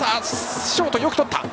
ショート、よくとった。